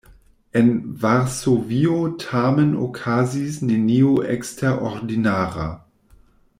En Varsovio tamen okazis nenio eksterordinara.